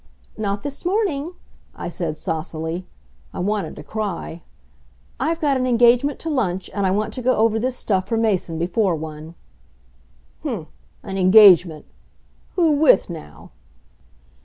"Not this morning," I said saucily. I wanted to cry. "I've got an engagement to lunch, and I want to go over this stuff for Mason before one." "Hm! An engagement. Who with, now?"